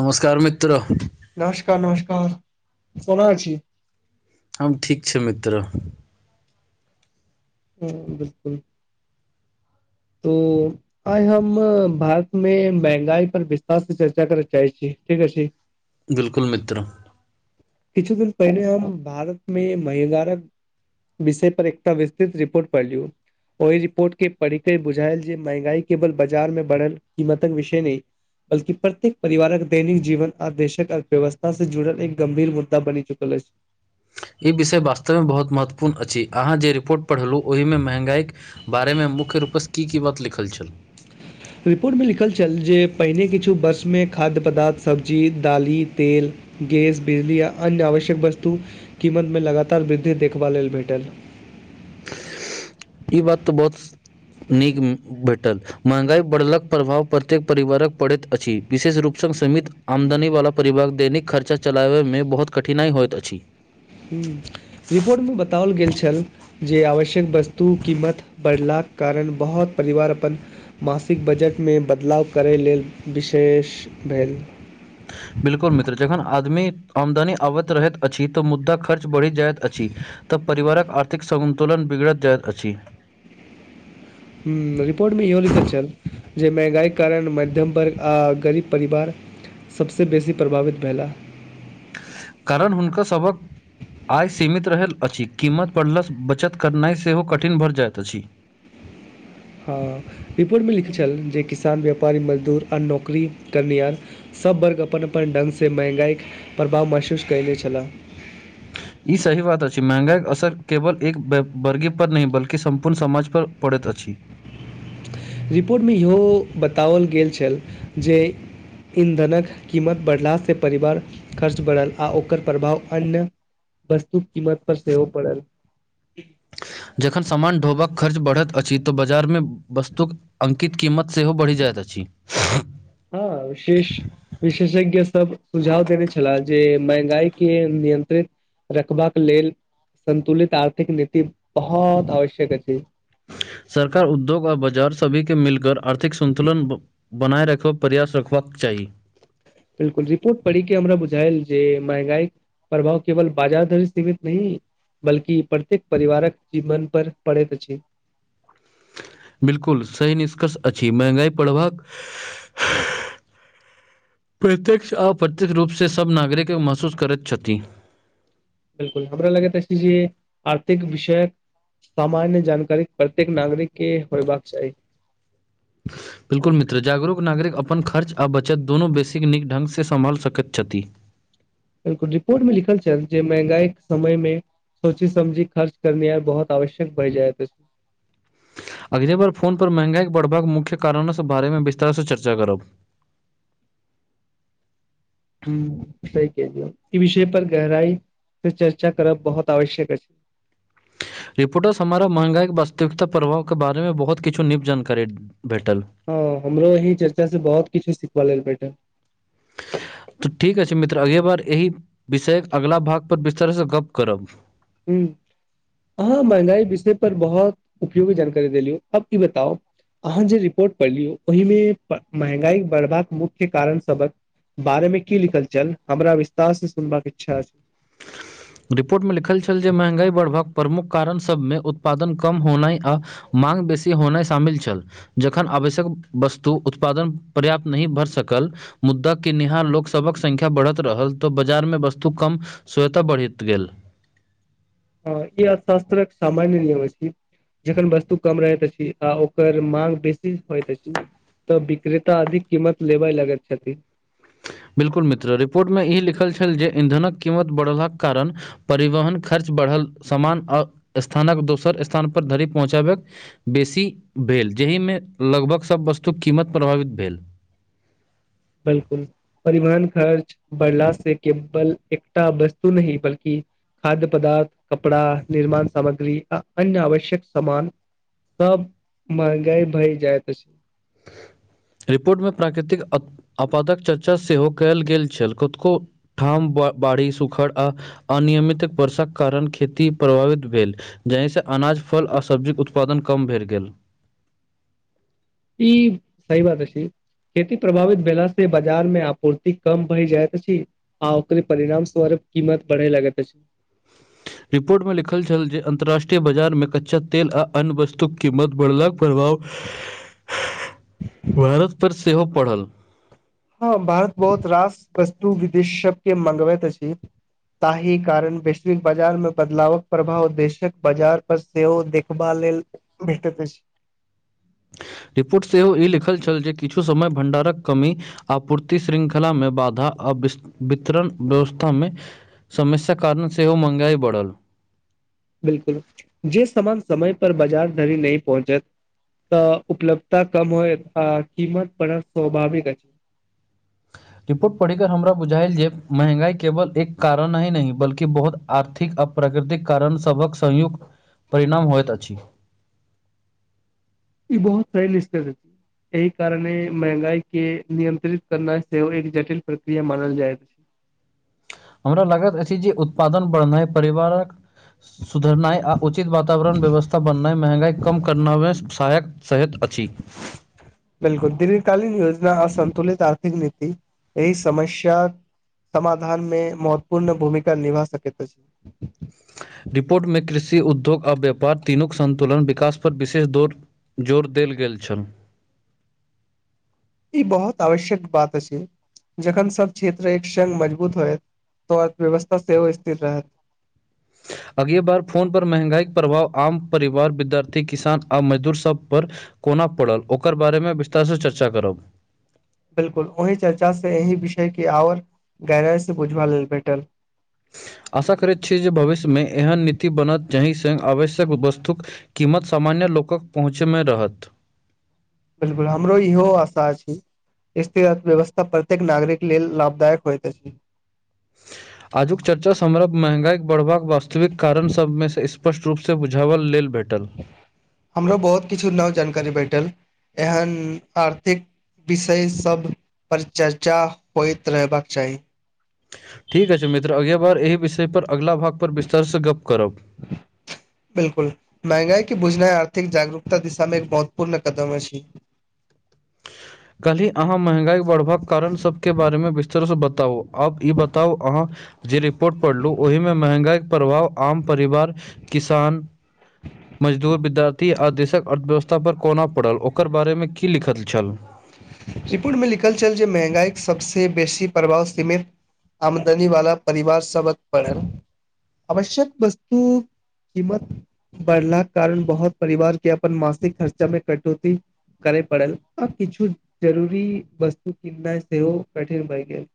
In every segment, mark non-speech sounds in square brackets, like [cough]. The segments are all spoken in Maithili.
नमस्कार मित्र। नमस्कार नमस्कार [unintelligible] अछि। हम ठीक छे मित्र। [unintelligible] आइ हम भारत मे महंगाई पर विस्तार से चर्चा करैत चाहै छी ठीक अछि। बिलकुल मित्र। किछु दिन पहिनेे हम भारत मे महिगारक विषय पर एकटा विस्तृत रिपोर्ट पढ़लियौ। ओहि रिपोर्ट के पढ़िक बुझायल जे महंगाई केवल बाजार में बढ़ल कीमतक विषय नहि बल्कि प्रत्येक परिवारक दैनिक जीवन आदेशक अर्थव्यवस्था से जुड़ल एक गंभीर मु [unintelligible] ई विषय वास्तवमे बहुत महत्वपूर्ण अछि अहाँ जे रिपोर्ट पढ़लहुँ ओहिमे महँगाई बारेमे मुख्य रूपसँ की की बात लिखल छल? रिपोर्टमे लिखल छल जे पहिने किछु वर्षमे खाद्य पदार्थ सब्जी दालि तेल गैस बिजली य अन्य आवश्यक वस्तु कीमत मे लगातार वृद्धि देखबा लेल भेटल। ई बात तऽ बहुत नीक भेटल। महँगाई बढ़लक प्रभाव प्रत्येक परिवारक पड़ैत अछि विशेष रूपसँ सीमित आमदनी वला परिवार दैनिक खर्चा चलाबयमे बहुत कठिनाइ होइत अछि। ह रिपोर्टमे बताओल गेल छल जे आवश्यक वस्तु कीमत बढ़लाक कारण बहुत परिवार अपन मासिक बजटमे बदलाव करै लेल विशेष भेल। बिल्कुल मित्र जखन आदमी आमदनी अबैत रहैत अछि तऽ मुद्दा खर्च बढ़ि जायत अछि तऽ परिवारक आर्थिक सतुलन बिगड़ल जायइत अछि। ह रिपोर्ट मे इहो लिखल छल। जे महँंगाई कारण मध्यम वर्ग आ गरीब परिवार सभसँ बेसी प्रभावित भेला। कारण हुनका सबहक आइ सीमित रहल अछि कीमत पढ़लसँ बचत करनाइ सेहो कठिन भऽ जाइत अछि। हँ रिपोर्टमे लिखल छल जे किसान व्यापारी मजदूर आ नौकरी करनिहार सभ वर्ग अपन अपन ढङ्ग से महंगाइके प्रभाव महसूस कयले छलाह। ई सही बात अछि महँगाइके असर केवल एक व वर्गीपर नहि बल्कि सम्पूर्ण समाज पर पड़ैत अछि। रिपोर्टमे इहो बताओल गेल छल जे ईंधनक कीमत बढ़लाासँ परिवार खर्च बढ़ल आ ओकर प्रभाव अन्य वस्तु कीमत पर सेहो पड़ल। जखन सामान ढोबाक खर्च बढ़ैत अछि तऽ बाजारमे वस्तुक अंकित कीमत सेहो बढ़ि जायत अछि। छी हँ विशेष विशेषज्ञ सब सुझाव देने छलाह जे महँंगाई के नियंत्रित रखबाक लेल संतुलित आर्थिक नीति बहुत आवश्यक अछि। सरकार उद्योग आ बाजार सभी के मिलकर आर्थिक सन्तुलन बनाए राखब प्रयास रखबाक चाही। बिल्कुल रिपोर्ट पढ़िके हमरा बुझायल जे महँंगाई प्रभाव केवल बाजार धरि सीमित नहि बल्कि प्रत्येक परिवारक जीवन पर पड़ैत अछि। बिलकुल सही निष्कर्ष अछि महँगाइ पढ़बाक प्रत्यक्ष अप्रत्यक्ष रूपसँ सभ नागरिक महसूस करैत छथि। बिलकुल हमरा लगैत अछि जे आर्थिक विषयक सामान्य जानकारी प्रत्येक नागरिक के होयबाक चाही। बिल्कुल मित्र जागरूक नागरिक अपन खर्च आ बचत दुोनू बेसी नीक ढङ्गसँ सम्हाल सकैत छथि। बिलकु रिपोर्ट मे लिखल छथ जे महंगाई के समय मे सोची समझी खर्च करनिहार बहुत आवश्यक भ जाएत अछि। अगली बार फोन पर महंगाई के बढ़बाक मुख्य कारणो बारे मे विस्तार से चर्चा करब। ह सही कहलयौ ई विषय पर गहराई से चर्चा करब बहुत आवश्यक अछि। रिपोर्टर् हमारा महंगगाईके वास्तविकता प्रभावके बारेमे बहुत किछु नीक जानकारी भेटल। हँ हमरो यही चर्चा से बहुत किछु सिखब लेल भेटल। तऽ ठीक अछि मित्र अगे बार एहि विषयक अगला भाग पर विस्तार से गप करब। हू आहा महंगाई विषय पर बहुत उपयोगी जानकारी देेली अब ई बताउ अहाँ जे रिपोर्ट पढ़लियौ ओहिमे महंगाई बढ़बाक मुख्य कारण सबक बारे मे की लिखल छल हमरा विस्तार से सुनबाक इच्छा रिपोर्टमे लिखल छल जे महंगाई बढ़बाक प्रमुख कारण सभमे उत्पादन कम होनाइ आ माँग बेसी होनाइ शामिल छल। जखन आवश्यक वस्तु उत्पादन पर्याप्त नहि भ सकल मुद्दा किनिहान लोक सभक संख्या बढ़त रहल तऽ बाजार मे वस्तु कम स्वेता बढ़त त गेल। ह ई अशास्त्र एक सामान्य नियम अछि। जखन वस्तु कम रहैत अछि आ ओकर मांग बेसी होइत अछि। तऽ विक्रेता अधिक कीमत लेब लगैत छथि। बिलकुल मित्र रिपोर्टमे ई लिखल छल जे ईंधनक कीमत बढ़लक कारण परिवहन खर्च बढ़ल समान आ स्थानक दोसर स्थानपर धरि पहुँचाबै बेसी भेल जहिमे लगभग सभ वस्तु कीमत प्रभावित भेल। बिल्कुल परिवहन खर्च बढ़ला से केवल एकटा वस्तु नहि बल्कि खाद्य पदार्थ कपड़ा निर्माण सामग्री आ अन्य आवश्यक सामान सब महंगाई भई जाइत अछी। रिपोर्टमे प्राकृतिक अत उत्तपादक चर्चा सेहो कयल गेल छेल कतकौ ठाम बाढ़ी सुखड़ आ अनियमित वर्षाक कारण खेती प्रभावित भेल। जाहिसँ अनाज फल आ सब्जीक उत्पादन कम भेल गेल। ई सही बात अछी। खेती प्रभावित भेला से बाजार मे आपूर्ति कम भय जाइत अछि। आ ओकरे परिणाम स्वरे कीमत बढ़ै लागेत अछि। रिपोर्ट मे लिखल छल जे अन्तर्राष्ट्रीय बाजार मे कच्चा तेल आ अन्य वस्तुक कीमत बढ़लक प्रभाव भारत पर सेहो पड़ल। हँ भारत बहुत रास वस्तु विदेश सब के मंगबैत अछि। ताहि कारण वैश्विक बाजार में बदलावक प्रभाव देशक बाजार पर सेहो देखभाल लेल भेटैत अछि। रिपोर्ट सेहो ई लिखल छल जे किछु समय भण्डारक कमी आपूर्ति श्रृंखलामे बाधा अबिस्त वितरण व्यवस्थामे समस्याक कारण सेहो महंगाई बढ़ल बिल्कुल जे सामान समय पर बाजार धरि नहि पहुँचत तऽ उपलब्धता कम होएत आ किमत बड़ा स्वभाविक अछि। रिपोर्ट पढ़ के हमरा बुझायल जे महंगाई केवल एक कारणही नहि बल्कि बहुत आर्थिक आ प्राकृतिक कारण सबक संयुक्त परिणाम होइत अछि। ई बहुत फैल [unintelligible] एहि कारणे महंगाई के नियंत्रित करना सेहो एक जटिल प्रक्रिया मानल जायैत हमरा लगैत अछि जे उत्पादन बढ़नाइ परिवारक सुधरनाइ, उचित वातावरण व्यवस्था बननाइ, महँगाई कम करनाइ व सहायक। सहित अछि। बिल्कुल, दीर्घकालीन योजना, असन्तुलित आर्थिक नीति एहि समस्या। समाधानमे महत्वपूर्ण भूमिका निभा सकैत अछि। रिपोर्टमे कृषि, उद्योग आ व्यापार तीनूके सन्तुलित विकास पर विशेष जोर जोर देल गेल छन। ई बहुत आवश्यक बात अछि। जखन सभ क्षेत्र एकसंग मजबूत होयत तऽ अर्थव्यवस्था सेहो स्थिर रहत। [inaudible] आगाँ बेर फोन पर महँगाईक प्रभाव आम परिवार, विद्यार्थी, किसान आ मजदूरसभ पर। कोना पड़ल, ओकर बारेमे विस्तारसँ चर्चा करब। बिल्कुल, ओहि चर्चासँ एहि विषयके आओर गहराइसँ बुझबाक लेल भेटल। आशा करैत छी जे भविष्यमे एहन नीति बनत जाहिसँ आवश्यक वस्तुक कीमत सामान्य लोकक पहुँचमे रहत। बिल्कुल, हमरो इहो आशा छै। स्थिर अर्थव्यवस्था प्रत्येक नागरिक लेल लाभदायक होइत अछि। [inaudible] आजुक चर्चामे महँगाई बढ़बाक वास्तविक कारणसभके स्पष्ट रूपसँ बुझबाक लेल भेटल। हमरो बहुत किछु नव जानकारी भेटल, एहन आर्थिक विषयसभ पर चर्चा होइत रहबाक चाही। ठीक अछि मित्र, अगिला बेर एहि विषयपर अगिला भागमे विस्तारसँ गप्प करब। बिल्कुल, महँगाईके बुझनाइ आर्थिक जागरूकताक दिशामे एक महत्वपूर्ण कदम अछि। [inaudible] कली अहाँ महँगाई बढ़बाक कारणसभके बारेमे विस्तारसँ बताउ, आब ई बताउ अहाँ। जे रिपोर्ट पढ़लहुँ, ओहिमे महँगाईक प्रभाव आम परिवार, किसान। मजदूर, विद्यार्थी आ देशक अर्थव्यवस्था पर कोना पड़ल, ओकर बारेमे की लिखल छल रिपोर्टमे लिखल छल जे महँगाईके सभसे बेसी प्रभाव सीमित। आमदनी वाला परिवारसभ परल, आवश्यक वस्तुक कीमत बढ़ला कारण बहुत परिवारके अपन मासिक खर्चामे कटौती करय पड़ल आ किछु जरूरी वस्तु किनाइ सेहो कठिन भऽ गेल।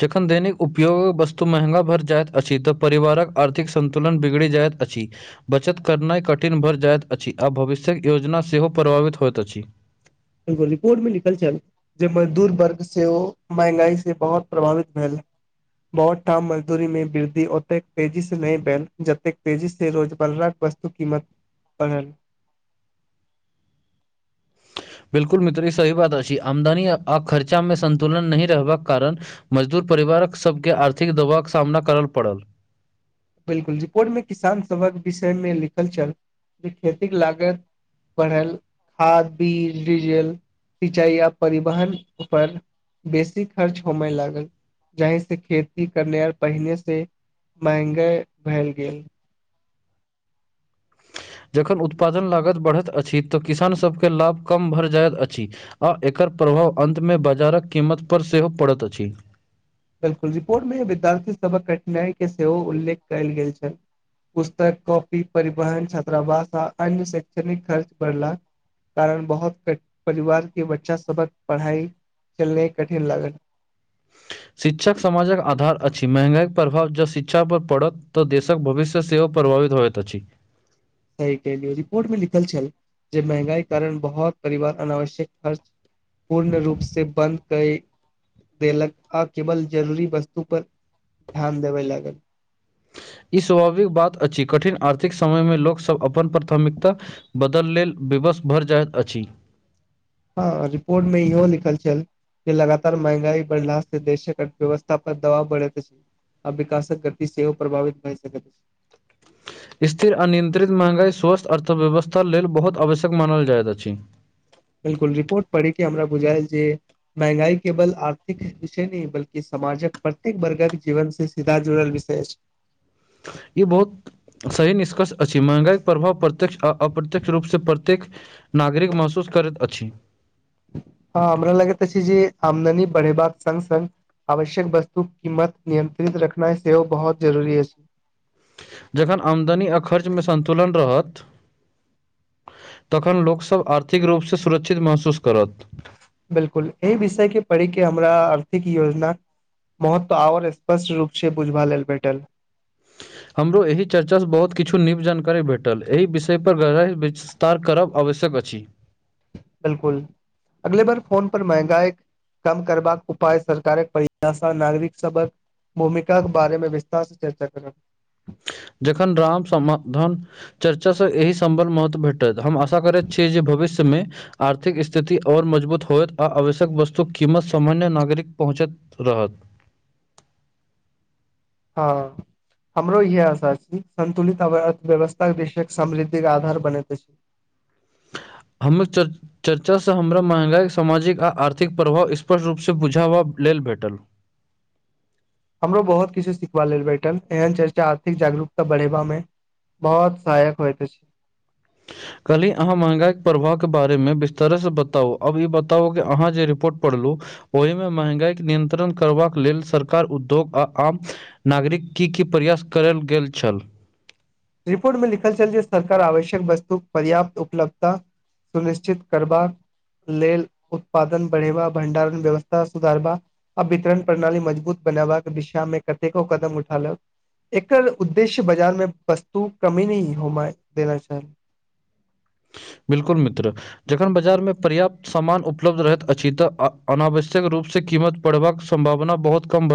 जखन दैनिक उपयोगक वस्तु महँग भरि जाइत अछि तऽ परिवारक आर्थिक। सन्तुलन बिगड़ि जाइत अछि। बचत करनाइ कठिन भऽ जाइत अछि आ भविष्यक योजना सेहो प्रभावित होइत अछि। रिपोर्टमे लिखल छल। जे मजदूर वर्ग सेहो महँगाईसँ बहुत प्रभावित भेल। बहुत ठाम मजदूरीमे वृद्धि ओतेक तेजीसँ नहि भेल जतेक तेजीसँ रोजमर्रा बस कीमत परल। बिल्कुल मित्र, ई सही बात अछि। आमदनी आ खर्चामे सन्तुलन नहि रहबाक कारण मजदूर परिवारके सभके आर्थिक दबावक सामना करय पड़ल। बिल्कुल जी, रिकॉर्डमे किसानसभक विषयमे लिखल छल जे खेतीक लागत। बढ़ल, खाद, बीज, डीजल। सिंचाई आ परिवहन पर बेसी खर्च होमय लागल। जाहिसँ खेती करनाइ आर पहिनेसँ महँग भऽ गेल। जखन उत्पादन लागत बढ़ैत अछि तऽ किसानसभके लाभ कम भऽ जाइत अछि। आ एकर प्रभाव अन्तमे बाजारक कीमत पर सेहो पड़ैत अछि। बिल्कुल, रिपोर्टमे विद्यार्थीसभक कठिनाइके सेहो उल्लेख कयल गेल छल। पुस्तक, कॉपी, परिवहन, छात्रावास आ अन्य शैक्षणिक खर्च बढ़ला। कारण बहुत परिवारके बच्चासभक पढ़ाइ चलायब कठिन लागल। शिक्षक समाजक आधार अछि। महँगाईक प्रभाव जँ शिक्षा पर पड़त तऽ देशक भविष्य सेहो प्रभावित होयत अछी सही कहलिय रिपोर्ट मे लिखल छल जे महंगाई कारण बहुत परिवार अनावश्यक खर्च पूर्ण रूप से बन्द कै दे देलक आ केवल जरूरी वस्तु पर ध्यान देबै लागल ई स्वाभाविक बात अछी कठिन आर्थिक समयमे लोकसभ अपन प्राथमिकता बदल लेल विवश भर जाइत अछी हँ रिपोर्ट मे इहो लिखल छल कि लगातार महंगाई बढ़ला से देशक अर्थव्यवस्था पर दबाव बढ़े अछ आ विकासक गती सेहो प्रभावित भ सकै स्थिर अनियंत्रित महगाई स्वस्थ अर्थव्यवस्था लेल बहुत आवश्यक मानल जाइत अछि बिल्कुल रिपोर्ट पढ़िके हमरा बुझायल जे महंँगाई केवल आर्थिक विषय नहि बल्कि समाजक प्रत्येक वर्गक जीवन से सीधा जुड़ल विषय छै [inaudible] ई बहुत सही निष्कर्ष अछि महगई के प्रभाव प्रत्यक्ष आ अप्रत्य्यक्ष रूप से प्रत्येक नागरिक महसूस करैत अछि हँ हमरा लगैत अछि जे आमदनी बढ़े बाग संग संग आवश्यक वस्तु कीमत नियंत्रित रखनाइ सेहो बहुत जरुरी अछि जखन आमदनी आ खर्चमे सन्तुलन रहत तखन लोकसभ आर्थिक रूप सँ सुरक्षित महसूस करत बिलकुल एहि विषय के पढ़िके हमरा आर्थिक योजना महत्व आओर स्पष्ट रूप से बुझबा लेल भेटल हमरो एहि चर्चासँ बहुत किछु नीव जानकारी भेटल एहि विषय पर राय विच स्तार करब आवश्यक अछि बिलकुल अगले बार फोन पर महंँगाई कम करबाक उपाय सरकारक परयषा नागरिक सबक भूमिका के बारेमे विस्तारसँ चर्चा करब जखन राम समाधन चर्चा सँ एहि संबल महत्व भेटत हम आशा करैत छीयै जे भविष्य में आर्थिक स्थिति और मजबूत होय आ आवश्यक वस्तु कीमत सामान्य नागरिक पहुँचत तऽरहत हँ हमरो इहे आशा छी संतुलित अर्थव्यवस्था के विषय समृद्धिक के आधार बनति अछ हमहुँ च चर्चासँ हमरा महगाई सामाजिक आ आर्थिक प्रभाव स्पष्ट रूपस बुझावा लेल भेटल हमरो बहुत किछु सिखबा लेल बैठल एहन चर्चा आर्थिक जागरूकता बढ़ेबा मे बहुत सहायक होत अछ कहली अहाँ महँगाईके प्रवाहके बारेमे विस्तर से बताउ आब ई बताउ कि अहाँ जे रिपोर्ट पढ़लू ओहिमे महंगाई नियंत्रण करबाक लेल सरकार उद्योग आ आम नागरिक की की प्रयास करल गेल छल रिपोर्ट में लिखल चल सरकार आवश्यक वस्तु पर्याप्त उपलब्धता सुनिश्चित करबाक लेल उत्पादन बढ़ेबा भण्डारण व्यवस्था सुधारबा आ वितरण प्रणाली मजबूत बनाबाक विशा मे कतेको कदम उठा लक एकर उद्देश्य बाजार में वस्तु कमी न हो देमा चाही बिल्कुल मित्र जखन बाजार मे पर्याप्त सामान उपलब्ध रहैत अछि तऽ अनावश्यक रूपसँ कीमत पड़बक सम्भावना बहुत कम भऽ